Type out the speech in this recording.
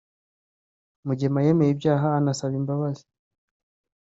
Mugema yemeye ibyaha anasaba imbabazi